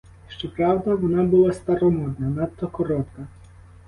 Щоправда вона була старомодна — надто коротка.